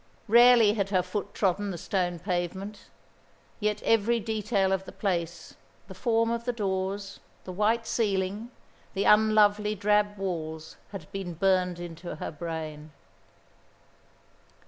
Rarely had her foot trodden the stone pavement, yet every detail of the place the form of the doors, the white ceiling, the unlovely drab walls had been burnt into her brain.